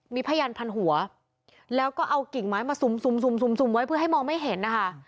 มีพยานพันหัวแล้วก็เอากิ่งไม้มาสุ่มไว้เพื่อให้มองไม่เห็นนะคะ